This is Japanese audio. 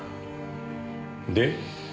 で？